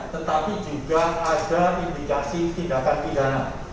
tetapi juga ada indikasi tindakan pidana